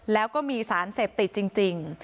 แล้วก็มีสารเสพติดจริง